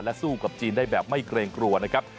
สู้กับจีนได้แบบไม่เกรงกลัวนะครับ